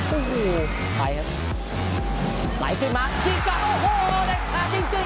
ไหลครับไหลขึ้นมาที่๙โอ้โหแหละจริงครับ